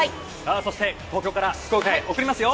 そして東京から福岡へ送りますよ。